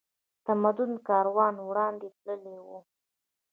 تمدن کاروان وړاندې تللی و